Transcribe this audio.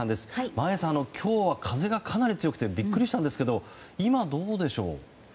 眞家さん、今日は風がかなり強くてビックリしたんですけど今、どうでしょう？